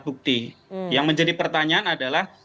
bukti yang menjadi pertanyaan adalah